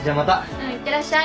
うん。いってらっしゃい。